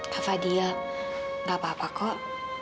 kak fadil nggak apa apa kok